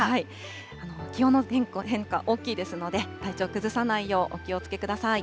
気温の変化、大きいですので、体調崩さないようお気をつけください。